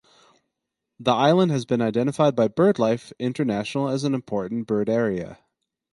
The island has been identified by BirdLife International as an Important Bird Area.